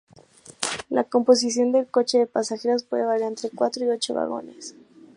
La composición del coche de pasajeros puede variar entre cuatro y ocho vagones.